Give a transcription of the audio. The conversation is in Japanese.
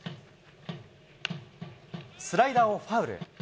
スライダーをファウル。